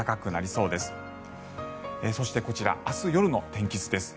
そして、こちら明日夜の天気図です。